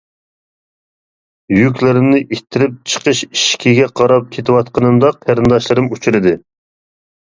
يۈكلىرىمنى ئىتتىرىپ چىقىش ئىشىكىگە قاراپ كېتىۋاتقىنىمدا قېرىنداشلىرىم ئۇچرىدى!